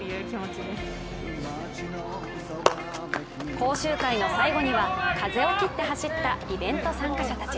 講習会の最後には風を切って走ったイベント参加者たち。